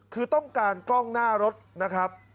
คือต้องการกล้องหน้ารถนะครับ